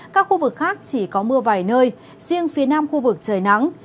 các khu vực khác chỉ có mưa vài nơi riêng phía nam khu vực trời nắng